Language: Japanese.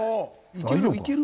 いける？